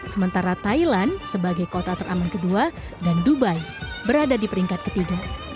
sementara thailand sebagai kota teraman kedua dan dubai berada di peringkat ketiga